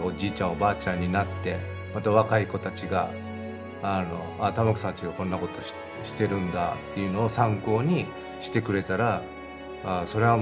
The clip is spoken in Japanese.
おばあちゃんになってまた若い子たちがああ玉城さんちはこんなことしてるんだっていうのを参考にしてくれたらそりゃあ